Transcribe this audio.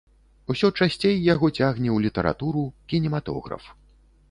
Усё часцей яго цягне ў літаратуру, кінематограф.